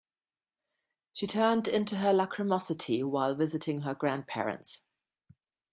She turned into her lachrymosity while visiting her grandparents.